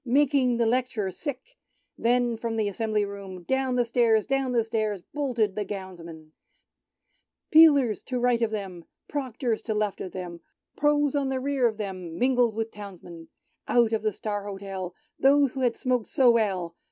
Making the Lect'rer sick — Then from the Assembly Room, Down the stairs, down the stairs, Boiled the Gownsmen ! Peelers to right of them. Proctors to left of them, Pro's on the rear of them. Mingled with Townsmen ! Out of the "Star Hotel," Those who had smoked so well.